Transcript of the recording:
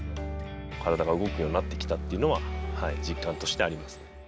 体が動くようになってきたっていうのは実感としてあります。